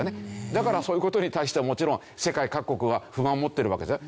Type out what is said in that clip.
だからそういう事に対してはもちろん世界各国は不満を持ってるわけですね。